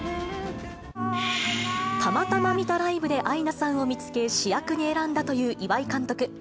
たまたま見たライブでアイナさんを見つけ、主役に選んだという岩井監督。